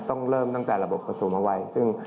ต้องเริ่มตั้งแต่ระบบปฐุมวัย